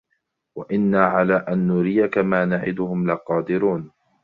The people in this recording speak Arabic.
وإنا على أن نريك ما نعدهم لقادرون